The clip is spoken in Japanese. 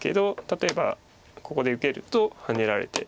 例えばここで受けるとハネられて。